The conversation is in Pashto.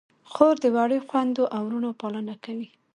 خور د وړو خویندو او وروڼو پالنه کوي.